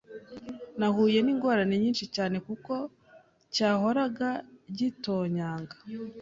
nahuye n’ingorane nyinshi cyane kuko cyahoraga gitonyanga